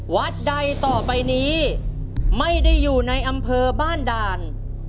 วัดใดต่อไปนี้ไม่ได้อยู่ในอำเภอบ้านด่าน